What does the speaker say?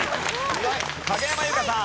影山優佳さん。